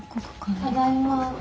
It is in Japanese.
ただいま。